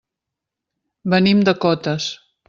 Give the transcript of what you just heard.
Venim de Cotes.